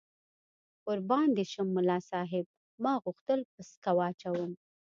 قربان دې شم، ملا صاحب ما غوښتل پسکه واچوم.